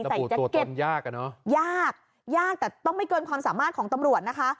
แต่อีกจะเก็บยากแต่ต้องไม่เกินความสามารถของตำรวจนะคะ